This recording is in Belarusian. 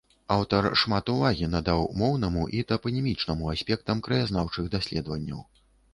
Аўтар шмат увагі надаў моўнаму і тапанімічнаму аспектам краязнаўчых даследаванняў.